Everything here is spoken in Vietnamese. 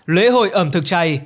lễ hội ẩm thực chay